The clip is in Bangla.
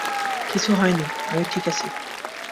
কিছুই হয়নি, আমি ঠিক আছি।